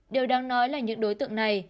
điều đáng nói là những đối tượng này